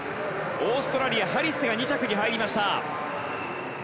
オーストラリア、ハリスが２着に入りました。